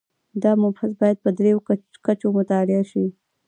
دا مبحث باید په درېیو کچو مطالعه شي.